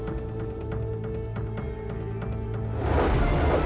aku akan buktikan